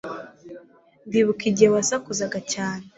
ndibuka igihe wasakuzaga cyane